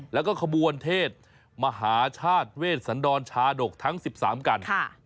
แล้วก็ขบวนเทศมหาชาติเวชสันดรชาดกทั้ง๑๓กัน